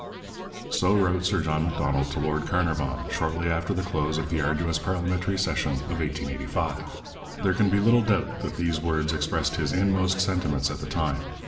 So wrote Sir John Macdonald to Lord Carnarvon shortly after the close of the arduous parliamentary session of 1885. There can be little doubt that these words expressed his inmost sentiments at the time.